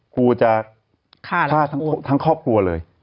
ครูจะฆ่าทั้งครอบครัวเลย